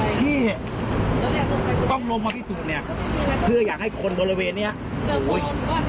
ที่ต้องลงมาที่สุดเนี่ยเพื่ออยากให้คนบริเวณเนี้ย